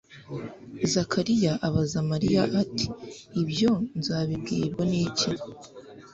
Zakariya abaza marayika ati: “Ibyo nzabibwirwa n'iki,